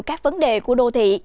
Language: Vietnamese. các vấn đề của đô thị